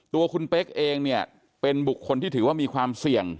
ตัวคุณเป๊กเองเนี่ยเป็นบุคคลที่ถือว่ามีความเสี่ยง